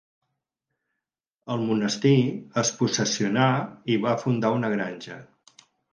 El monestir es possessionà i va fundar una granja.